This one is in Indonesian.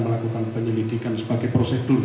melakukan penyelidikan sebagai prosedur